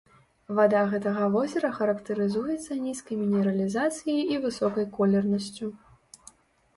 Вада гэтага возера характарызуецца нізкай мінералізацыяй і высокай колернасцю.